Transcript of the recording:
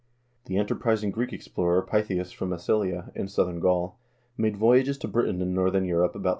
The enterprising Greek explorer Pytheas from Massilia, in southern Gaul, made voyages to Britain and northern Europe about 330 B.